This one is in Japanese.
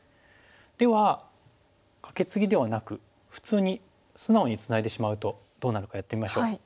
ではカケツギではなく普通に素直にツナいでしまうとどうなるかやってみましょう。